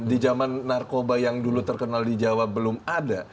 di zaman narkoba yang dulu terkenal di jawa belum ada